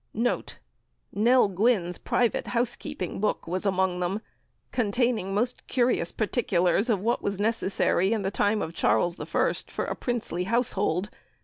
Nell Gwyn's private Housekeeping Book was among them, containing most curious particulars of what was necessary in the time of Charles I for a princely household.